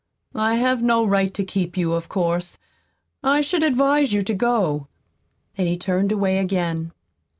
I have no right to keep you of course I should advise you to go." And he turned away again.